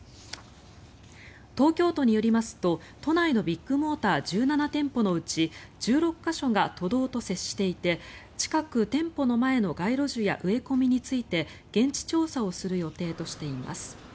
東京都によりますと、都内のビッグモーター１７店舗のうち１６か所が都道と接していて近く、店舗の前の街路樹や植え込みについて現地調査をする予定としています。